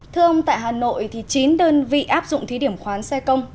thưa ông tại hà nội chín đơn vị áp dụng thí điểm khoán xe công